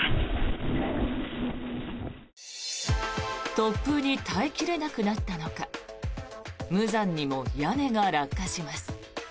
突風に耐え切れなくなったのか無残にも屋根が落下します。